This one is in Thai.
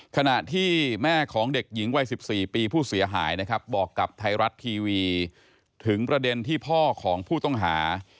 ขณะที่แม่ของเด็กหญิงวัย๑๔ปีผู้เสียหายนะครับบอกกับไทยรัฐทีวีถึงประเด็นที่พ่อของผู้ต้องหา